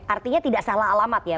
artinya tidak salah alamat ya